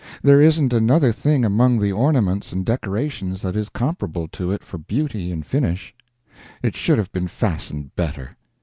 There isn't another thing among the ornaments and decorations that is comparable to it for beauty and finish. It should have been fastened better.